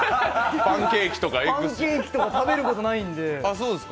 パンケーキとか食べることないんで。